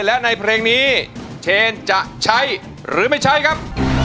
และในเพลงนี้เชนจะใช้หรือไม่ใช้ครับ